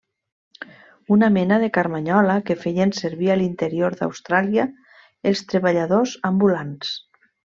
Una mena de carmanyola que feien servir a l'interior d'Austràlia els treballadors ambulants.